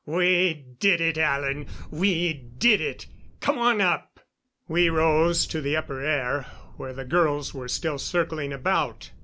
"We did it, Alan! We did it! Come on up!" We rose to the upper air, where the girls were still circling about.